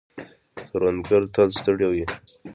کروندگر تل ستړي وي.